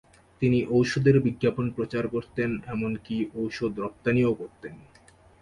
তিনি ঔষধের বিজ্ঞাপন প্রচার করতেন, এমনকি ঔষধ রপ্তানিও করতেন।